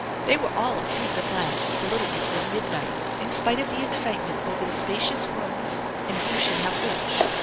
They were all asleep at last, a little before midnight, in spite of the excitement over the spacious rooms, and who should have which.